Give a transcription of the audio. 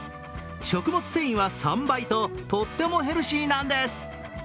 食物繊維は３倍ととってもヘルシーなんです。